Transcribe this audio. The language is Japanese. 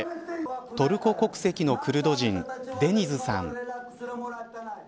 トルコ国籍のクルド人デニズさん。